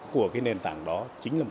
của cái nền tảng đó chính là